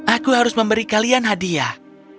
aku harus memberi kalian hadiah